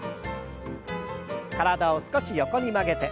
体を少し横に曲げて。